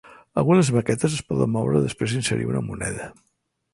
Algunes maquetes es poden moure després d'inserir una moneda.